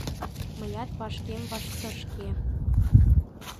Мыят вашкем ваштышке!..